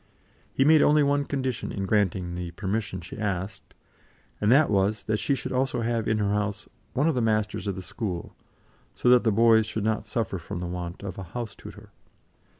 He made only one condition in granting the permission she asked, and that was, that she should also have in her house one of the masters of the school, so that the boys should not suffer from the want of a house tutor.